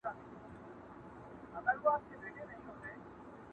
چي په لاره کي څو ځلي سوله ورکه،